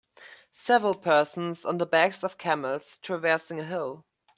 Several persons on the backs of camels traversing a hill.